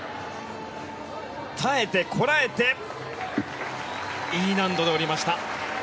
耐えてこらえてＥ難度で下りました。